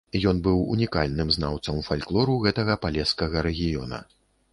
Ён быў унікальным знаўцам фальклору гэтага палескага рэгіёна.